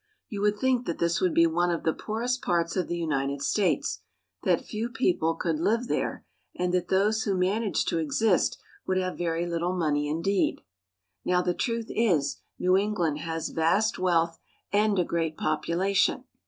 You would think that this would be one of the poorest parts of the United States, that few people could live there, and that those who manage to exist would have very little money indeed. Now the truth is. New England has vast wealth and a great population.